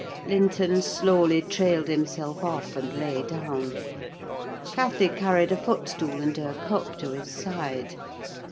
Linton slowly trailed himself off, and lay down. Cathy carried a footstool and her cup to his side.